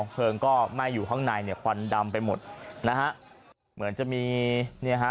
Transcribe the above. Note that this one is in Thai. เพลิงก็ไหม้อยู่ข้างในเนี่ยควันดำไปหมดนะฮะเหมือนจะมีเนี่ยฮะ